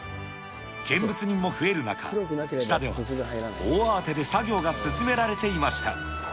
見物人も増える中、下では大慌てで作業が進められていました。